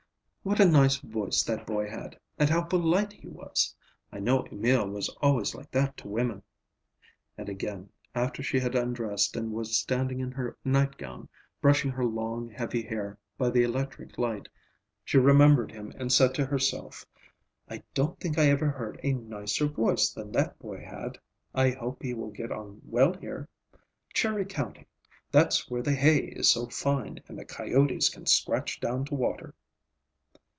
"What a nice voice that boy had, and how polite he was. I know Emil was always like that to women." And again, after she had undressed and was standing in her nightgown, brushing her long, heavy hair by the electric light, she remembered him and said to herself, "I don't think I ever heard a nicer voice than that boy had. I hope he will get on well here. Cherry County; that's where the hay is so fine, and the coyotes can scratch down to water."